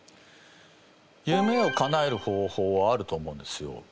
夢をかなえる方法はあると思うんですよ。